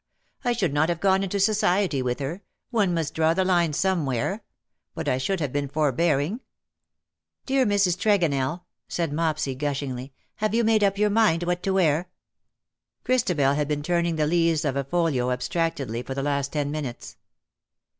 I should not have gone into society with her — one must draw the line somewhere. But I should have been forbear "Dear Mrs. Tregonell/' said Mopsy, gushingly,. " have you made up your mind what to wear ?" Christabel had been turning the leaves of a folio abstractedly for the last ten minutes.